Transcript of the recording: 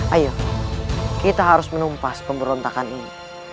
ayo kita harus menumpas pemberontakan ini